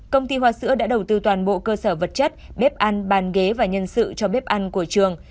công ty hoa sữa đã đầu tư toàn bộ cơ sở vật chất bếp ăn bàn ghế và nhân sự cho bếp ăn của trường